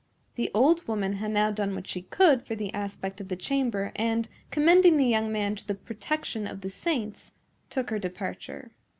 The old woman had now done what she could for the aspect of the chamber; and, commending the young man to the protection of the saints, took her departure.